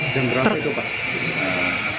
dan berapa itu pak